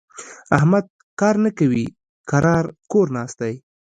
احمد کار نه کوي؛ کرار کور ناست دی.